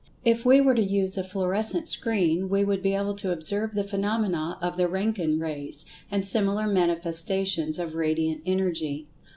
If we were to use a fluorescent screen we would be able to observe the phenomena of the Roentgen Rays, and similar manifestations of Radiant Energy.